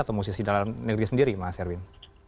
atau musisi dalam negeri sendiri mas erwin